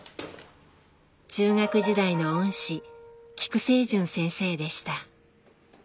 中学時代の恩師菊聖純先生でした。